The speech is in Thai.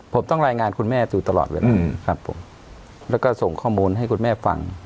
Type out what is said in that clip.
ผมต้องรายงานคุณแม่ดูตลอดเวลาครับผมแล้วก็ส่งข้อมูลให้คุณแม่ฟัง